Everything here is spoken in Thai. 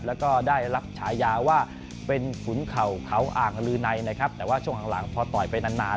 แล้วก็ได้รับฉายาว่าเป็นขุนเข่าเขาอ่างลือในนะครับแต่ว่าช่วงหลังพอต่อยไปนานนาน